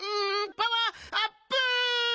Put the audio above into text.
パワーアップ！